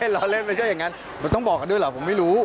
ล้อเล่นไม่ใช่อย่างนั้นสิ่งที่ต้องบอกกันด้วยเหรอผมไม่รู้